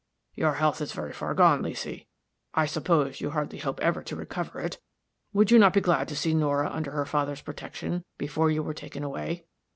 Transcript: "Your health is very far gone, Leesy; I suppose you hardly hope ever to recover it. Would you not be glad to see Nora under her father's protection before you were taken away?"